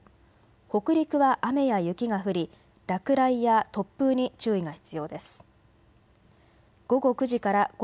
北陸は雨や雪が降り落雷や突風に注意が必要です。